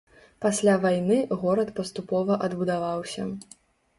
Пасля вайны горад паступова адбудаваўся.